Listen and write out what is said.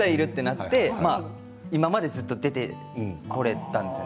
今までずっと出てこれたんですよ。